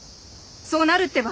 そうなるってば。